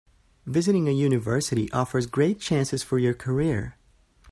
Visiting a university offers great chances for your career.